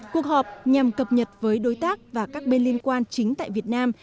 cuộc họp nhằm cập nhật với đối tác và các bên liên quan chính tại việt nam